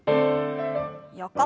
横。